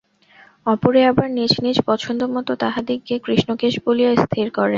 অপরে আবার নিজ নিজ পছন্দ-মত তাঁহাদিগকে কৃষ্ণকেশ বলিয়া স্থির করেন।